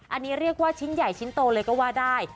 อันนี้เรียกว่าชิ้นใหญ่ชิ้นโตเลยก็ว่าได้